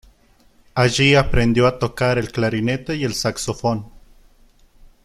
Allí aprendió a tocar el clarinete y el saxofón.